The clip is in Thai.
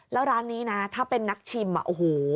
แล้วร้านนี้นะถ้าเป็นนักชิมอ่ะโอ้โห